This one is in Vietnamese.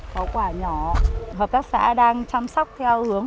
học tác xã đang chăm sóc theo hướng